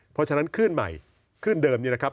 เพราะฉะนั้นขึ้นใหม่ขึ้นเดิมนี้นะครับ